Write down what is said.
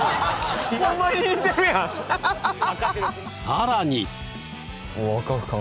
さらに！